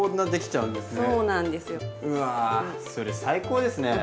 うわそれ最高ですね。